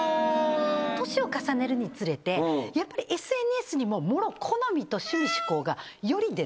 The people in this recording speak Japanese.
年を重ねるにつれてやっぱりＳＮＳにモロ好みと趣味嗜好がより出る。